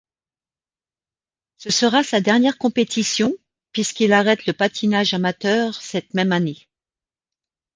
Ce sera sa dernière compétition, puisqu'il arrête le patinage amateur cette même année.